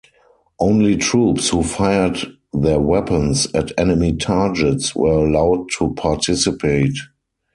Only troops who fired their weapons at enemy targets were allowed to participate.